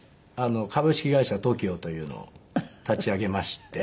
株式会社ＴＯＫＩＯというのを立ち上げまして。